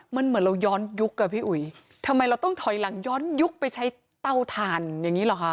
มันเหมือนเราย้อนยุคอ่ะพี่อุ๋ยทำไมเราต้องถอยหลังย้อนยุคไปใช้เตาถ่านอย่างนี้เหรอคะ